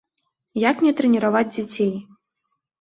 Як мне трэніраваць дзяцей?